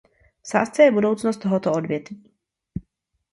V sázce je budoucnost tohoto odvětví.